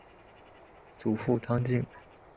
祖父汤敬。